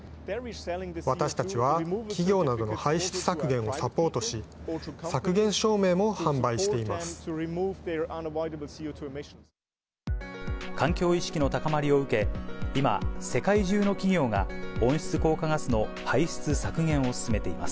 私たちは企業などの排出削減をサポートし、削減証明も販売しています。